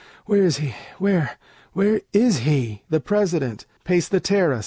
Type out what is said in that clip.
Where is he? Where? Where is he? The president Peisthetairus?